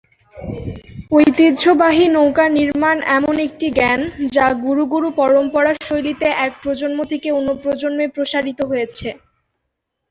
ঐতিহ্যবাহী নৌকা নির্মাণ এমন একটি জ্ঞান, যা ‘গুরু-গুরু পরম্পরা’ শৈলীতে এক প্রজন্ম থেকে অন্য প্রজন্মে প্রসারিত হয়েছে।